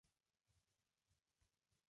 que vosotras no partieseis